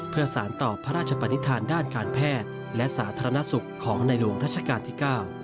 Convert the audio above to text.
เพื่อสารต่อพระราชปนิษฐานด้านการแพทย์และสาธารณสุขของในหลวงรัชกาลที่๙